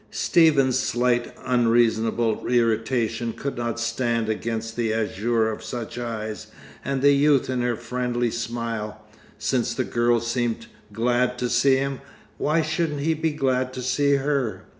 Stephen's slight, unreasonable irritation could not stand against the azure of such eyes, and the youth in her friendly smile. Since the girl seemed glad to see him, why shouldn't he be glad to see her?